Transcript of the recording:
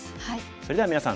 それではみなさん